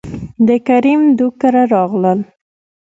دکريم دو کره راغلل،